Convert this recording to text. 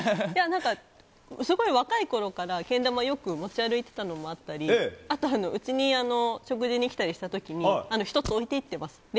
いや、なんかすごい若いころからけん玉よく持ち歩いてたのもあったり、あとうちに食事に来たりしたときに、１つ置いていってます。